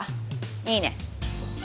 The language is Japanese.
いいね。